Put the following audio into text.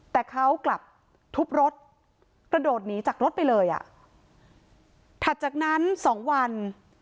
แต่เขากลับทุบรถกระโดดหนีจากรถไปเลยอ่ะถัดจากนั้นสองวัน